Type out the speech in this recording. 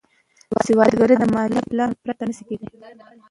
سوداګري له مالي پلان پرته نشي کېدای.